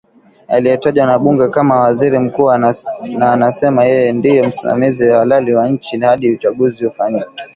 aliyetajwa na bunge kama waziri mkuu na anasema yeye ndie msimamizi halali wa nchi hadi uchaguzi ufanyike